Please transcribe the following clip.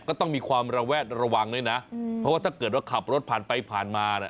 ก็ต้องมีความระแวดระวังด้วยนะเพราะว่าถ้าเกิดว่าขับรถผ่านไปผ่านมาเนี่ย